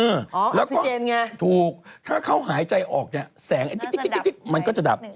เออแล้วก็ถูกถ้าเขาหายใจออกเนี่ยแสงน่าจะดับมันก็จะดับ